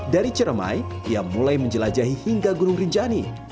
dari ciremai ia mulai menjelajahi hingga gunung rinjani